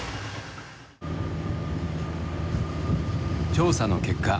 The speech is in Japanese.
調査の結果